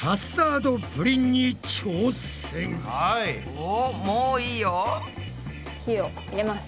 おっもういいよ。